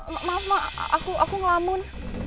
maaf mak aku ngelamun